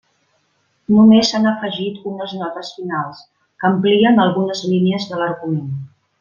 Només s'han afegit unes notes finals, que amplien algunes línies de l'argument.